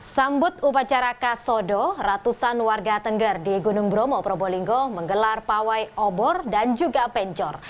sambut upacara kasodo ratusan warga tengger di gunung bromo probolinggo menggelar pawai obor dan juga penjor